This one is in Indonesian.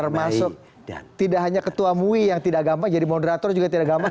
termasuk tidak hanya ketua mui yang tidak gampang jadi moderator juga tidak gampang